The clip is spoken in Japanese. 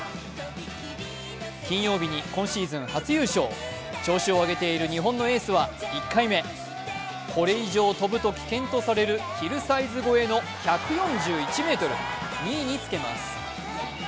金曜日に今シーズン初優勝調子を上げている日本のエースは１回目、これ以上飛ぶと危険とされるヒルサイズ超えの１４１ｍ、２位につけます。